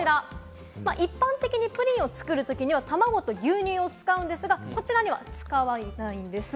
一般的にプリンを作るときには卵と牛乳を使うんですが、こちらには使わないんです。